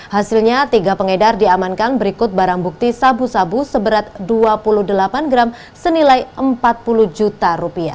hasilnya tiga pengedar diamankan berikut barang bukti sabu sabu seberat dua puluh delapan gram senilai rp empat puluh juta